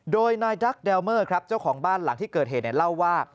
โดยนายดักแดลเมอร์ครับเจ้าของบ้านหลังที่เกิดเหตุเล่าว่า